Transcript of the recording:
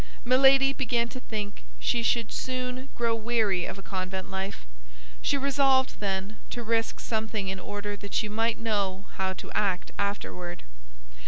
Milady began to think she should soon grow weary of a convent life; she resolved, then, to risk something in order that she might know how to act afterward.